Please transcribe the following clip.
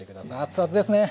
熱々ですね！